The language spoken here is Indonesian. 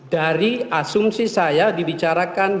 dari asumsi saya dibicarakan